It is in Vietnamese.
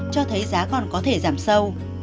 cho thấy giá còn có thể giảm sâu